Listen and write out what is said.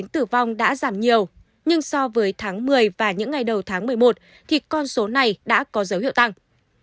tử vong đã giảm nhiều nhưng so với tháng một mươi và những ngày đầu tháng một mươi một thì con số này đã có dấu hiệu tăng